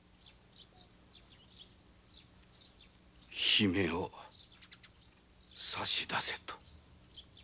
「姫をさし出せ」と！？